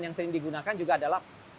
yang sering digunakan juga adalah